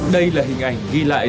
đây là hình ảnh ghi lại